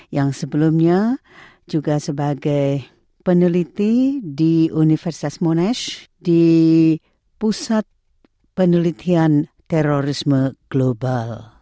yang sebelumnya juga sebagai peneliti di universitas monash di pusat penelitian terorisme global